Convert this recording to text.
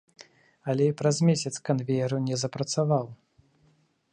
Але і праз месяц канвеер не запрацаваў.